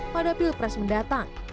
pada pilpres mendatang